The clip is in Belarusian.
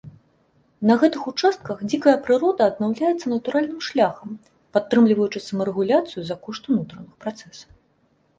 На гэтых участках дзікая прырода аднаўляецца натуральным шляхам, падтрымліваючы самарэгуляцыю за кошт унутраных працэсаў.